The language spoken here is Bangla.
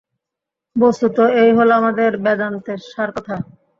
বস্তুত এই হল আমাদের বেদান্তের সার কথা।